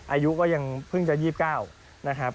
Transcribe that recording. อายุก็ยังเพิ่งจะ๒๙นะครับ